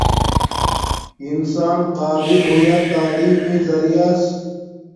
انسان قابل ہویا تعلیم مݵݵ زریعس